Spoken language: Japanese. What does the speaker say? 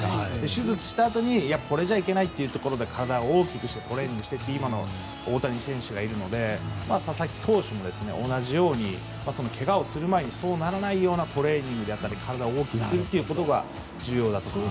手術したあとにこれじゃいけないということで体を大きくしてトレーニングして今の大谷選手がいるので佐々木投手も同じようにけがをする前にそうならないようトレーニングや体を大きくすることが重要だと思います。